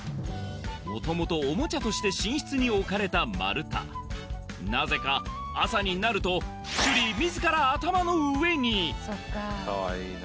もともとオモチャとして寝室に置かれた丸太なぜか朝になるとシュリー自ら頭の上に！